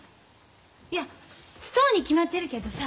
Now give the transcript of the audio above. いやそうに決まってるけどさ。